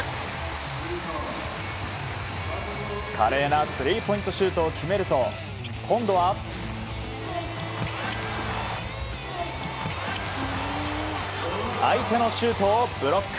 華麗なスリーポイントシュートを決めると今度は相手のシュートをブロック。